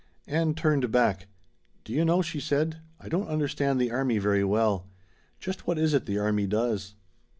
Ann turned back. "Do you know," she said, "I don't understand the army very well. Just what is it the army does?"